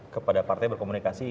kepada partai berkomunikasi